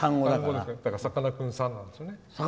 だからさかなクンさんですよね。